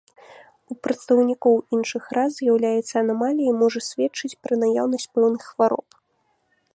У прадстаўнікоў іншых рас з'яўляецца анамаліяй і можа сведчыць пра наяўнасць пэўных хвароб.